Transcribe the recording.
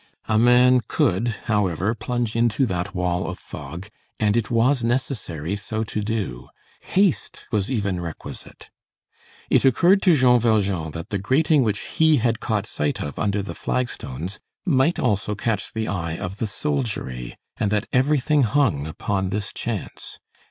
A man could, however, plunge into that wall of fog and it was necessary so to do. Haste was even requisite. It occurred to Jean Valjean that the grating which he had caught sight of under the flag stones might also catch the eye of the soldiery, and that everything hung upon this chance.